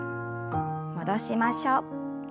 戻しましょう。